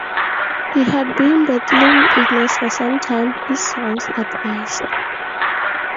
He had been battling illness for some time, his sons advised.